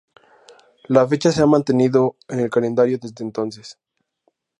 La fecha se ha mantenido en el calendario desde entonces.